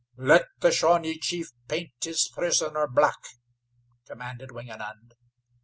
"Let the Shawnee chief paint his prisoner black," commanded Wingenund.